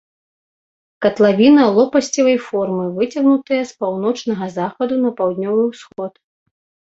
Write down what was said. Катлавіна лопасцевай формы, выцягнутая з паўночнага захаду на паўднёвы ўсход.